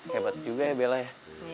hebat juga ya bella ya